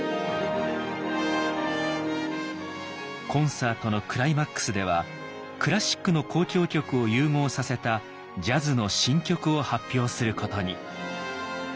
コンサートのクライマックスではクラシックの交響曲を融合させたジャズの新曲を発表することに。